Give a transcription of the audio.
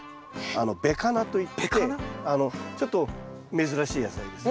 ベカナといってちょっと珍しい野菜です。